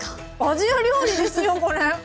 アジア料理ですよこれ！